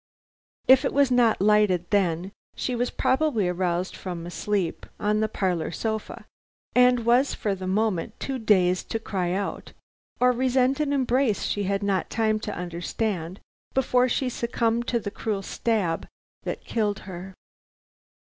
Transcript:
If it was not lighted then, she was probably aroused from a sleep on the parlor sofa, and was for the moment too dazed to cry out or resent an embrace she had not time to understand before she succumbed to the cruel stab that killed her.